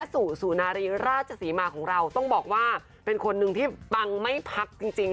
สู่สุนารีราชศรีมาของเราต้องบอกว่าเป็นคนหนึ่งที่ปังไม่พักจริงจริง